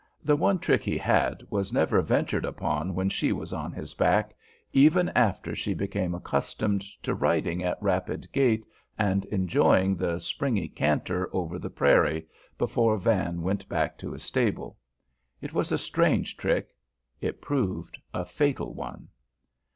The one trick he had was never ventured upon when she was on his back, even after she became accustomed to riding at rapid gait and enjoying the springy canter over the prairie before Van went back to his stable. It was a strange trick: it proved a fatal one.